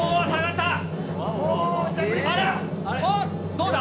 どうだ？